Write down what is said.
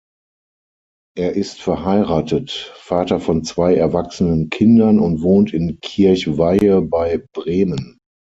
Er ist verheiratet, Vater von zwei erwachsenen Kindern und wohnt in Kirchweyhe bei Bremen.